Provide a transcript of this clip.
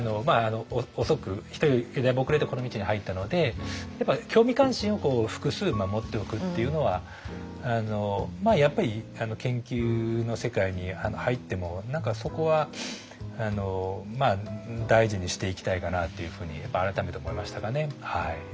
遅く人よりだいぶ遅れてこの道に入ったのでやっぱ興味関心を複数持っておくっていうのはやっぱり研究の世界に入っても何かそこは大事にしていきたいかなっていうふうにやっぱ改めて思いましたかね。